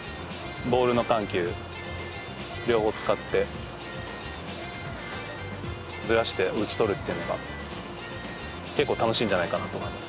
両方使ってずらして打ち取るっていうのが結構楽しいんじゃないかなと思います。